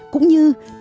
cũng như là